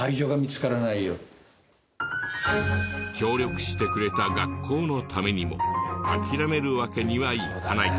協力してくれた学校のためにも諦めるわけにはいかない。